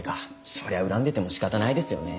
そりゃ恨んでてもしかたないですよね。